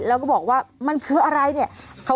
แล้วก็บอกว่ามันคืออะไรเนี่ย